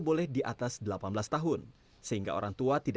saya sih setuju sebenarnya